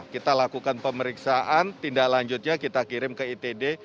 kita lakukan pemeriksaan tindak lanjutnya kita kirim ke itd